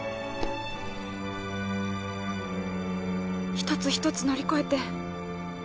一つ一つ乗り越えて